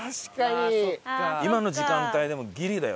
今の時間帯でもギリだよ。